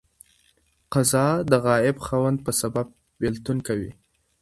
قضا د غائب خاوند په سبب بيلتون کوي.